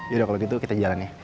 yaudah kalo gitu kita jalan ya